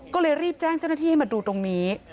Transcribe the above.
ก็เลยรีบแจ้งเจ้าหน้าที่ให้มาดูตรงนี้